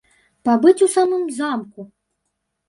Пабыць у самым замку!